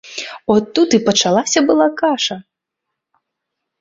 От тут і пачалася была каша!